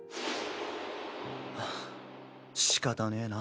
はぁしかたねぇな。